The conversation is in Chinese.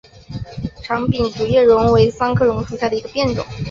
长柄竹叶榕为桑科榕属下的一个变种。